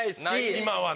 今はね。